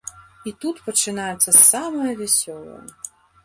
І тут пачынаецца самае вясёлае.